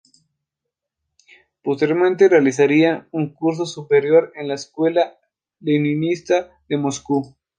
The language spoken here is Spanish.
Posteriormente realizaría un curso superior en la Escuela Leninista de Moscú.